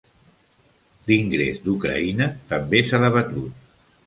L'ingrés d'Ucraïna també s'ha debatut.